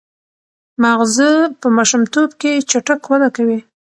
ماغزه په ماشومتوب کې چټک وده کوي.